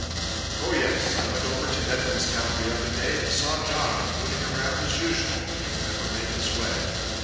"Oh yes, I went over to Edmonstoun the other day and saw Johnny, mooning around as usual! He will never make his way."